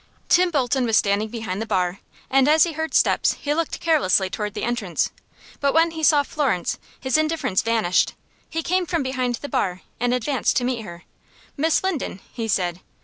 Tim Bolton was standing behind the bar, and as he heard steps he looked carelessly toward the entrance, but when he saw Florence, his indifference vanished. He came from behind the bar, and advanced to meet her. "Miss Linden," he said.